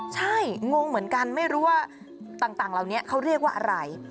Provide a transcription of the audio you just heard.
ใช่งงเหมือนกันไม่รู้ว่าต่างเหล่านี้เขาเรียกว่าอะไร